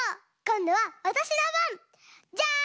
こんどはわたしのばん！